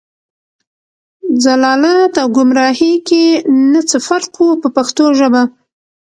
ضلالت او ګمراهۍ کې نه څه فرق و په پښتو ژبه.